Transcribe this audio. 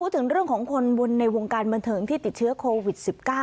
ถึงเรื่องของคนบุญในวงการบันเทิงที่ติดเชื้อโควิด๑๙